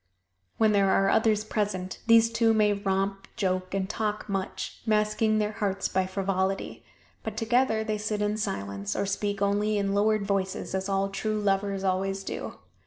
When there are others present these two may romp, joke and talk much masking their hearts by frivolity but together they sit in silence, or speak only in lowered voices as all true lovers always do.